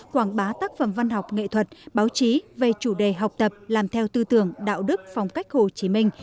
quảng bá tác phẩm văn học nghệ thuật báo chí về chủ đề học tập làm theo tư tưởng đạo đức phong cách hồ chí minh